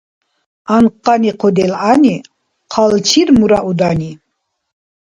Анкъани хъу делгӀани, хъалчир мура удани.